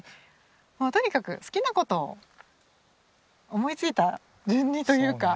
もうとにかく好きな事を思いついた順にというか。